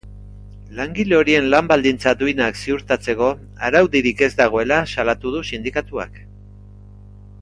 Langile horien lan baldintza duinak ziurtatzeko araudirik ez dagoela salatu du sindikatuak.